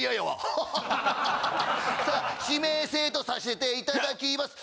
さあ指名制とさせていただきます。